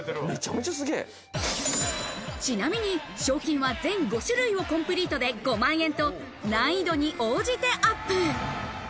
ちなみに賞金は全５種類をコンプリートで５万円と、難易度に応じてアップ。